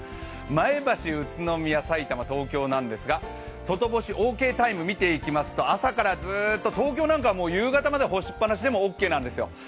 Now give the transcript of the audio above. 前橋、宇都宮、さいたま、東京なんですが外干しオーケータイム見ていきますと朝からずっと東京などは夕方まで干しっぱなしでもオーケーなんですよ